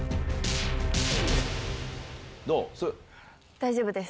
大丈夫です。